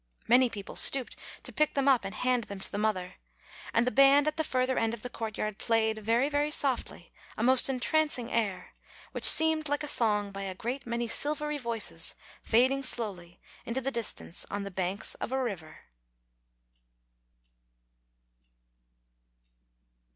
Many people stooped to pick them up and hand them to the mother. And the band at the further end of the courtyard played, very, very softly, a most entrancing air, which seemed like a song by a great many silvery voices fading slowly into the distance on the banks of a river.